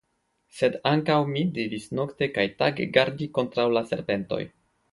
Sed ankaŭ mi devis nokte kaj tage gardi kontraŭ la serpentoj.